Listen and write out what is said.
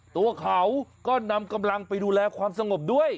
ตัวเขาก็นำกำลังไปดูแลความสงบด้วย